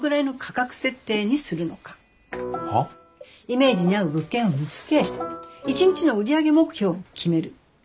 イメージに合う物件を見つけ一日の売り上げ目標を決める。